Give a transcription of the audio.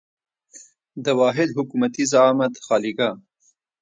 د واحد حکومتي زعامت خالیګاه.